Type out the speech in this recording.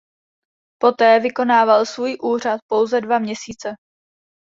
Poté vykonával svůj úřad pouze dva měsíce.